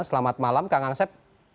selamat malam kang asep